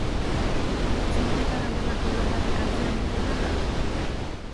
Kontziente gara horrelako lan batek atzean duen lanaz?